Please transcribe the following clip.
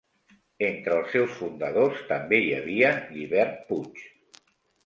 Entre els seus fundadors també hi havia Llibert Puig.